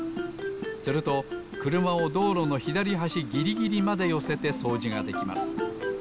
するとくるまをどうろのひだりはしギリギリまでよせてそうじができます。